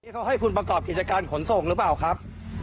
เขาให้คุณประกอบกิจการขนส่งหรือเปล่าครับ